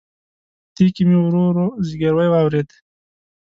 په دې کې مې ورو ورو زګیروي واورېد.